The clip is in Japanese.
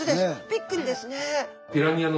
びっくりですね。